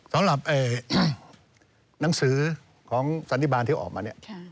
สำหรับหนังสือของสันติบาลที่ออกมาเนี่ย